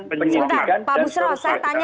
penyelidikan dan perusahaan